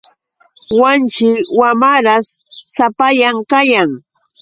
Wanshi wamarash sapallan kayan.